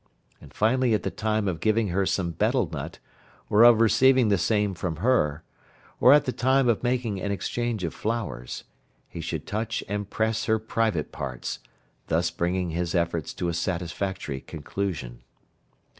And finally at the time of giving her some betel nut, or of receiving the same from her, or at the time of making an exchange of flowers, he should touch and press her private parts, thus bringing his efforts to a satisfactory conclusion.